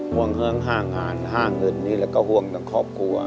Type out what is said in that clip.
ห่วงห้างงานห้างเงินนี่แหละก็ห่วงครอบครัว